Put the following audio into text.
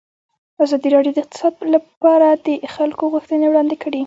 ازادي راډیو د اقتصاد لپاره د خلکو غوښتنې وړاندې کړي.